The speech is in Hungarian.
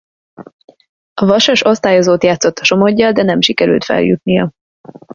A Vasas osztályozót játszott a Somoggyal de nem sikerült feljutnia.